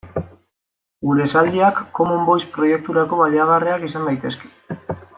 Gure esaldiak Common Voice proiekturako baliagarriak izan daitezke.